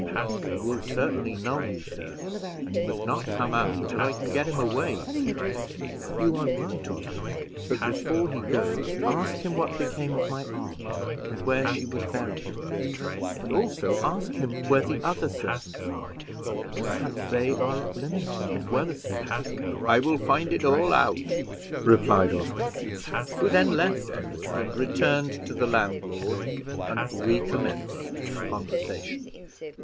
"He will certainly know you, sir, and you must not come out till I can get him away," said he. "You are right, Oswald; but before he goes, ask him what became of my aunt, and where she was buried; and also ask him where the other servants are perhaps they are at Lymington as well as he." "I will find it all out," replied Oswald, who then left Edward, and returned to the landlord and recommenced conversation.